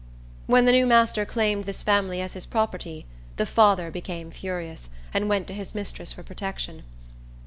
When the new master claimed this family as his property, the father became furious, and went to his mistress for protection.